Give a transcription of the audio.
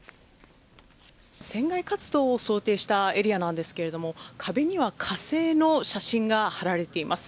船外活動を想定したエリアなんですけれども壁には火星の写真が貼られています。